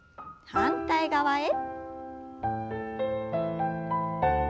反対側へ。